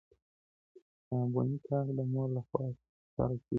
کتابتوني کار د مور له خوا ترسره کيږي!!